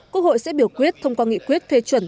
quốc hội sẽ biểu quyết thông qua nghị quyết phê chuẩn